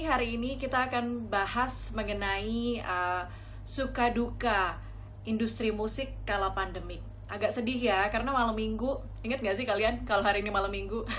agak sedih ya karena malam minggu inget gak sih kalian kalau hari ini malam minggu